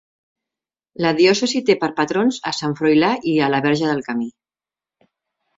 La diòcesi té per patrons a Sant Froilà i a la Verge del Camí.